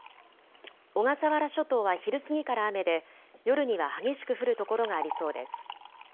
小笠原諸島は昼過ぎから雨で夜には激しく降る所がありそうです。